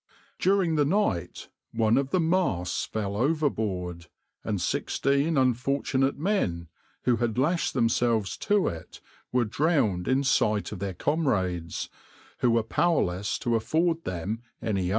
During the night one of the masts fell overboard, and sixteen unfortunate men, who had lashed themselves to it, were drowned in sight of their comrades, who were powerless to afford them any aid.